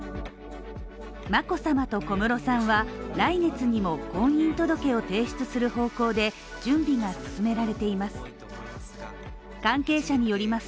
眞子さまと小室さんは来月にも婚姻届を提出する方向で準備が進められています。